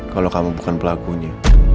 kalau kamu bukan pelakunya